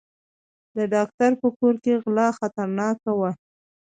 د ډاکټر په کور کې غلا خطرناکه وه.